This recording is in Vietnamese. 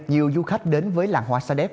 nhiều du khách đến với làng hoa sa đéc